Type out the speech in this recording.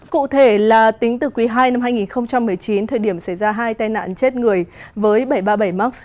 cụ thể là tính từ quý ii năm hai nghìn một mươi chín thời điểm xảy ra hai tai nạn chết người với bảy trăm ba mươi bảy max